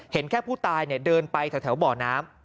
เห็นแค่ผู้ตายเดินไปแถวบ่อน้ำ